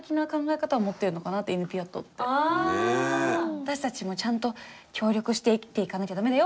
私たちもちゃんと協力して生きていかなきゃ駄目だよ。